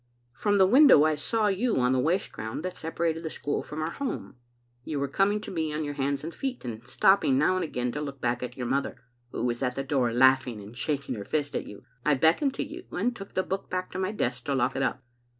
" From the window I saw you on the waste ground that separated the school from our home. You were coming to me on your hands and feet, and stopping now and again to look back at your mother, who was at the door, laughing and shaking her fist at you. I beckoned to you, and took the book back to my desk to lock it up.